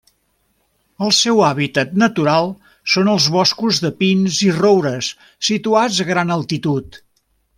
El seu hàbitat natural són els boscos de pins i roures situats a gran altitud.